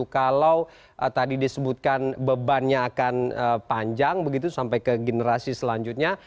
kalau tadi disebutkan bebannya akan panjang begitu sampai ke generasi selanjutnya